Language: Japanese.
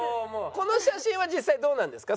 この写真は実際どうなんですか？